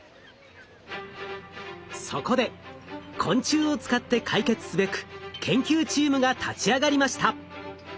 そこで昆虫を使って解決すべく研究チームが立ち上がりました。